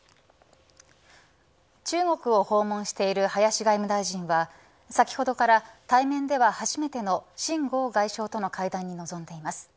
中国を訪問している林外務大臣は先ほどから対面では初めての泰剛外相との会談に臨んでいます。